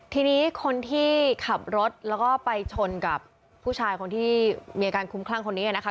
ทีนี้คนที่ขับรถแล้วก็ไปชนกับผู้ชายคนที่มีอาการคุ้มคลั่งคนนี้นะคะ